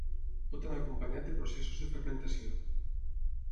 Pot anar acompanyat de processos de fermentació.